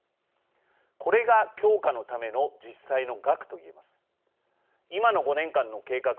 これが強化のための実際の額と言えます。